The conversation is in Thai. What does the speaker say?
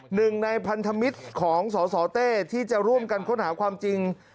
หนึ่งในพันธมิตรของสสเต้ที่จะร่วมกันค้นหาความจริง